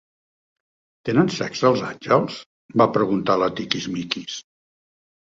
Tenen sexe, els àngels? —va preguntar la Tiquismiquis.